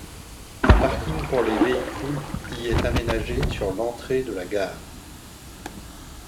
Un parking pour les véhicules y est aménagé sur l'entrée de la gare.